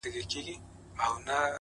پوهه د امکاناتو دروازې پرلهپسې پرانیزي.!